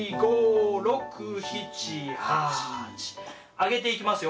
上げていきますよ。